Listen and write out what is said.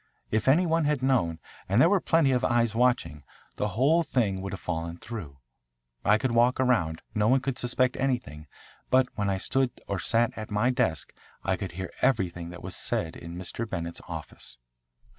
If any one had known, and there were plenty of eyes watching, the whole thing would have fallen through. I could walk around; no one could suspect anything; but when I stood or sat at my desk I could hear everything that was said in Mr. Bennett's office."